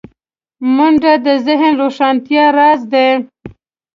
منډه د ذهن روښانتیا راز دی